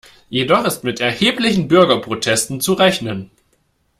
Jedoch ist mit erheblichen Bürgerprotesten zu rechnen.